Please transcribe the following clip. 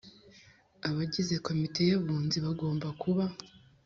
Abagize komite y abunzi bagomba kuba